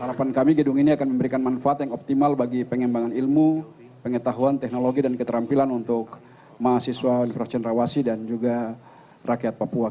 harapan kami gedung ini akan memberikan manfaat yang optimal bagi pengembangan ilmu pengetahuan teknologi dan keterampilan untuk mahasiswa universitas cenrawasi dan juga rakyat papua